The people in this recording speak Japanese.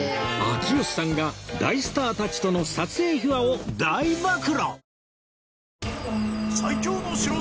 秋吉さんが大スターたちとの撮影秘話を大暴露！